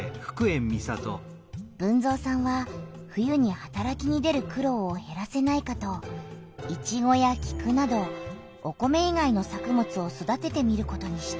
豊造さんは冬にはたらきに出る苦ろうをへらせないかとイチゴやキクなどお米いがいの作物を育ててみることにした。